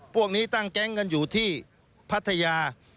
พวกนี้ตั้งแก๊งกันอยู่ที่พัทยา